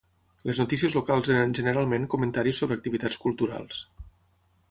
Les notícies locals eren generalment comentaris sobre activitats culturals.